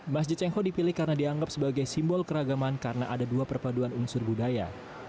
masjid cengho dipilih karena dianggap sebagai simbol keragaman karena ada dua perpaduan unsur budaya